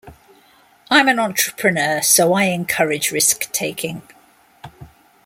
I'm an entrepreneur, so I encourage risk-taking.